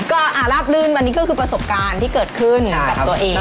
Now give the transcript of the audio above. ก็ราบลื่นวันนี้ก็คือประสบการณ์ที่เกิดขึ้นกับตัวเอง